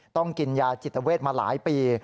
ต้องกินยาจิตเวทมาหลายปี